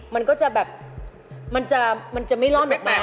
มันก็จะแบบมันจะไม่ร่อนออกมา